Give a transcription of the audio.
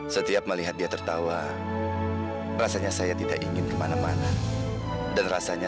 sampai jumpa di video selanjutnya